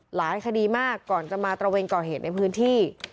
หลายคดีมากก่อนจะมาตระเวนก่อเหตุในพื้นที่